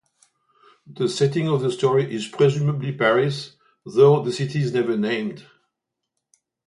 The setting of the story is presumably Paris, though the city is never named.